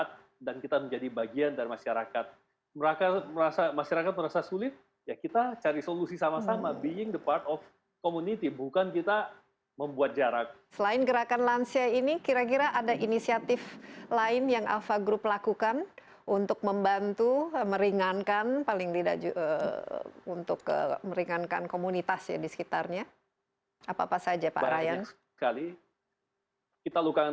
yang tidak butuh makanan dan minuman